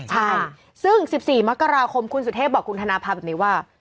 ใช่ซึ่ง๑๔มกราคมคุณสุเทพบอกคุณธนภาพแบบนี้ว่า